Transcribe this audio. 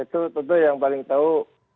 itu tentu yang paling tahu